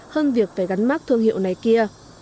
hơn việc phải gắn mắt thương hiệu này kia